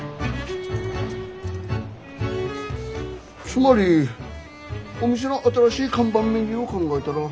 つまりお店の新しい看板メニューを考えたら。